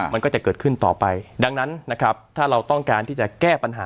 มันก็จะเกิดขึ้นต่อไปดังนั้นนะครับถ้าเราต้องการที่จะแก้ปัญหา